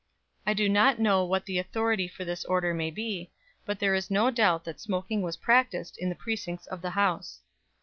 I do not know what the authority for this order may be, but there is no doubt that smoking was practised in the precincts of the House.